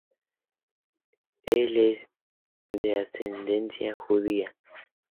El es de ascendencia judía.